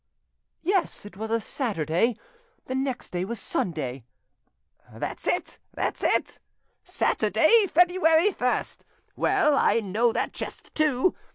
"Yes, it was a Saturday; the next day was Sunday." "That's it, that's it!—Saturday, February 1st. Well, I know that chest too!